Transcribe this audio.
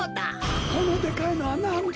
このでかいのはなんだ？